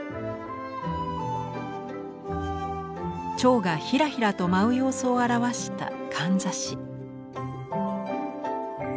蝶がひらひらと舞う様子を表した簪。